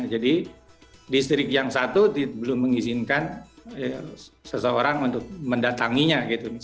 jadi distrik yang satu belum mengizinkan seseorang untuk mendatanginya